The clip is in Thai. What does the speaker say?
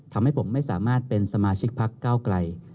ทำให้ผมไม่สามารถเป็นสมาชิกพักเก้าไกล